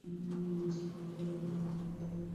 সিটকা, ভালুকটা তোমার পেছনে।